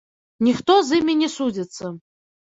Ніхто з імі не судзіцца.